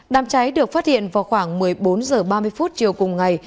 đám cháy được phát hiện vào khoảng một mươi bốn h ba mươi chiều cùng ngày